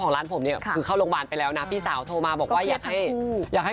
มันจะเดี๋ยวนัดเกลียร์ให้นะคะมันจะเดี๋ยวนัดเกลียร์ให้นะคะ